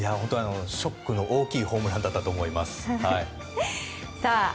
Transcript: ショックの大きいホームランだったと思います。